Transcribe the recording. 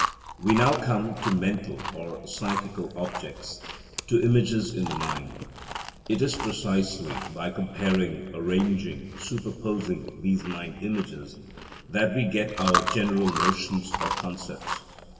We now come to mental or psychical objects: to images in the mind. It is precisely by comparing, arranging and superposing these mind images that we get our general notions or concepts.